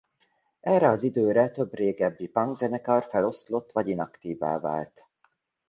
Erre az időre több régebbi punk zenekar feloszlott vagy inaktívvá vált.